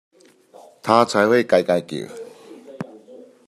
他才會該該叫！